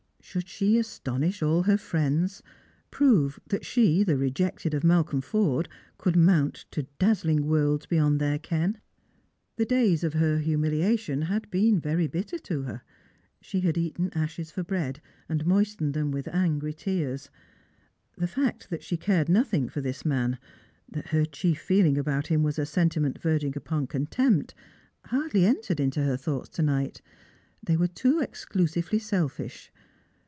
Should she astonish all her friends —■ prove that she, the rejected of Malcolm Forde, could mount to dazzling worlds beyond their ken .P The days of her humiliation had been very bitter to her ; she had eaten ashes for bread, and moistened them with angry tears. The fact that she cared nothing for this man, that her chief feeling about him was a sentiment verging upon contempt, hardly entered into her thoughts to night ; they were too exclusively selfish.